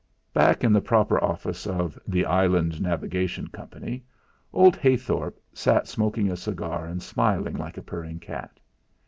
2 Back in the proper office of "The Island Navigation Company" old Heythorp sat smoking a cigar and smiling like a purring cat.